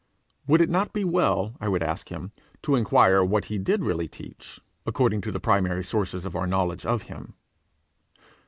Would it not be well, I would ask him, to enquire what he did really teach, according to the primary sources of our knowledge of him?